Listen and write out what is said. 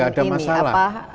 gak ada masalah